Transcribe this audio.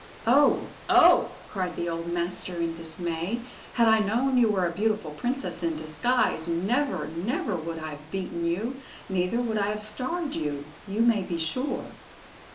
"Oh! Oh!" cried the old master in dismay. "Had I known you were a beautiful princess in disguise, never, never would I have beaten you; neither would I have starved you, you may be sure."